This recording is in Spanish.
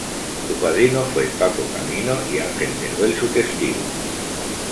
Su padrino fue Paco Camino y Ángel Teruel, su testigo.